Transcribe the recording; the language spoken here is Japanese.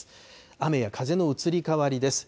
雨や風の移り変わりです。